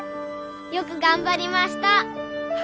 よく頑張りました！